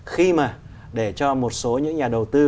khi mà để cho một số những nhà đầu tư